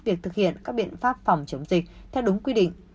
việc thực hiện các biện pháp phòng chống dịch theo đúng quy định